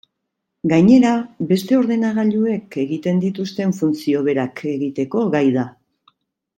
Gainera beste ordenagailuek egiten dituzten funtzio berak egiteko gai da.